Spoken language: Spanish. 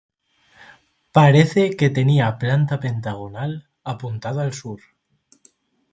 Parece que tenía planta pentagonal, apuntada al sur.